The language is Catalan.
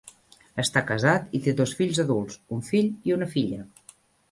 Està casat i té dos fills adults, un fill i una filla.